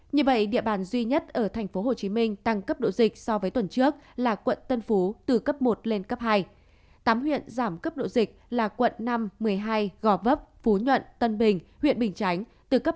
như vậy địa bàn duy nhất ở tp hcm tăng cấp độ dịch so với tuần trước là quận tân phú từ cấp một lên cấp hai